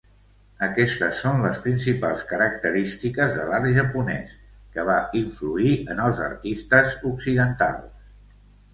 Aquestes són les principals característiques de l'art japonès que va influir en els artistes occidentals.